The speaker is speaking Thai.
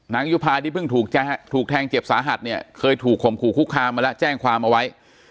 ยุภาที่เพิ่งถูกแทงเจ็บสาหัสเนี่ยเคยถูกข่มขู่คุกคามมาแล้วแจ้งความเอาไว้